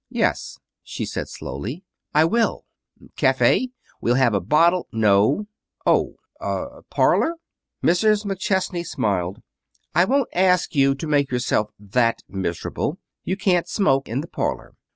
"Yes," she said slowly, "I will." "Cafe? We'll have a bottle " "No." "Oh! Er parlor?" Mrs. McChesney smiled. "I won't ask you to make yourself that miserable. You can't smoke in the parlor.